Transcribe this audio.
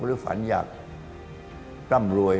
หรือฝันอยากร่ำรวย